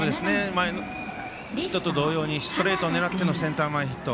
前のヒットの同様にヒットを狙ってのセンター前ヒット。